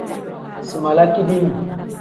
Si mala kidim.